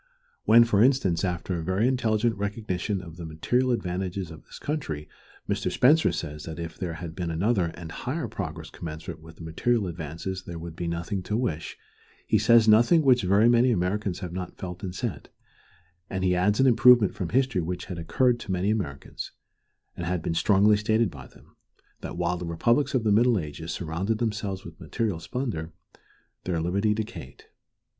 When, for instance, after a very intelligent recognition of the material advantages of this country, Mr. Spencer says that if there had been another and higher progress commensurate with the material advance there would be nothing to wish, he says nothing which very many Americans have not felt and said, and he adds an improvement from history which had occurred to many Americans, and had been strongly stated by them, that while the republics of the Middle Ages surrounded themselves with material splendor, their liberty decayed.